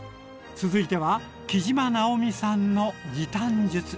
続いては杵島直美さんの時短術！